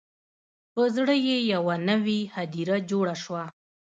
په زړه یې یوه نوي هدیره جوړه شوه